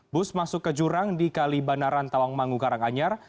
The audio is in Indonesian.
bus masuk ke jurang di kalibanaran tawangmangu karanganyar